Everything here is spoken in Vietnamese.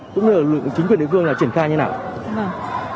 cũng như chính quyền địa phương đã triển khai như thế nào